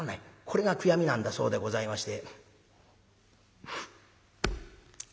これが悔やみなんだそうでございまして。